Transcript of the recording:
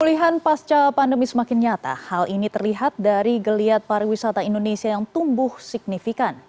pemulihan pasca pandemi semakin nyata hal ini terlihat dari geliat pariwisata indonesia yang tumbuh signifikan